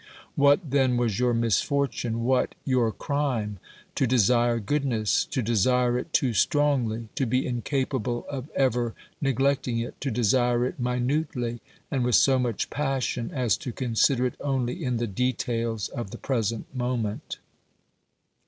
What then was your misforlune, what your crime ? To desire good ness, to desire it too strongly, to be incapable of ever neglect ing it, to desire it minutely, and with so much passion as to consider it only in the details of the present moment.